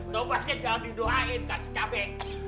nomornya jangan didoain kasih cabai